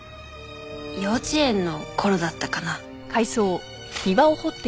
幼稚園の頃だったかな。